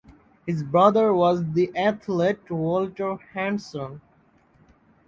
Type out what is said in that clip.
His brother was the athlete Walter Henderson.